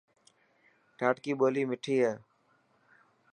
ڌاٽڪي ٻولي مٺي هي.